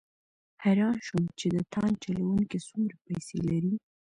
حیران شوم چې د تاند چلوونکي څومره پیسې لري.